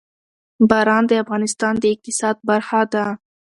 باران د افغانستان د اقتصاد برخه ده.